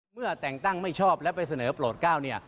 เมื่อแต่งตั้งไม่ชอบและไปเสนอโปรดก้าวเนี่ย